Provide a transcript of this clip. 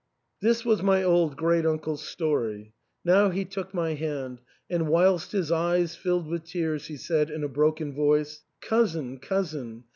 This was my old great uncle's story. Now he took my hand, and whilst his eyes filled with tears, he said, in a broken voice, " Cousin, cousin